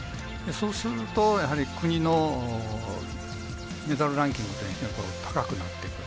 そうするとやはり国のメダルランキングというのが高くなっていく。